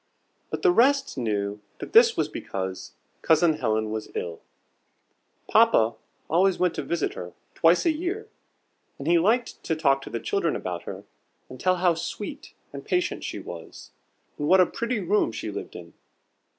But the rest knew that this was because Cousin Helen was ill. Papa always went to visit her twice a year, and he liked to talk to the children about her, and tell how sweet and patient she was, and what a pretty room she lived in.